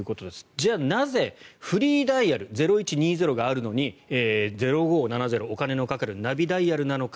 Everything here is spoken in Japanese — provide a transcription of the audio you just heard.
じゃあなぜフリーダイヤル０１２０があるのに０５７０、お金のかかるナビダイヤルなのか。